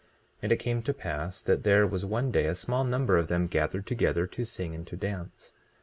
20:2 And it came to pass that there was one day a small number of them gathered together to sing and to dance.